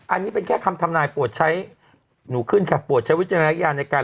อันนี้เป็นแค่คำทำนายปวดใช้หนูขึ้นค่ะปวดใช้วิจารณญาณในการ